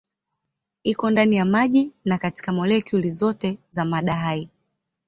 Iko ndani ya maji na katika molekuli zote za mada hai.